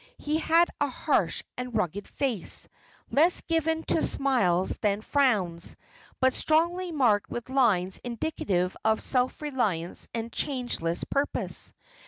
He had a harsh and rugged face, less given to smiles than frowns, but strongly marked with lines indicative of self reliance and changeless purpose.